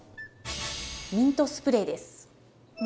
ミントスプレー？